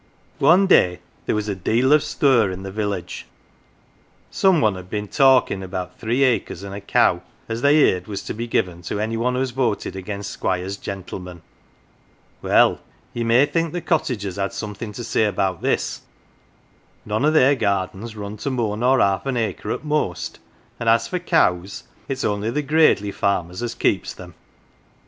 " One day there was a deal of stir in the village some one had been talkin' about three acres and a cow as they heerd was to be given to any one as voted against Squire's gentleman. Well, ye may think the cottagers had something to say about this none of their gardens run to more nor half an acre at most, and as for cows, it's only the gradely farmers as keeps them.